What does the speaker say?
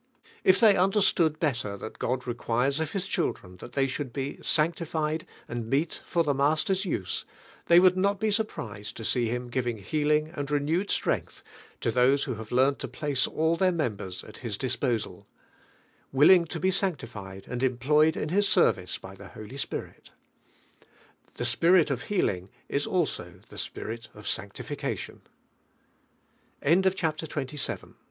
If they under stood better that Rod requires of His chil ilren that tbey should be "sanctified ami meet for the Master's use," tbey wonkl not be surprised to see Him giving heal ing and renewed strength to those who have learned to plate all their members n,f His disposal, willing to be sanctified and employed in His service by the Holy Spirit The Spirit of healing is also the Spirit of eauctificatkm. Chapter Xm. SICKNESS AND DEAT